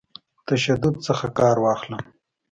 تشدد څخه کار واخلم.